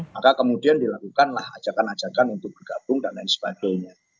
maka kemudian dilakukanlah ajakan ajakan untuk bergabung dan lain sebagainya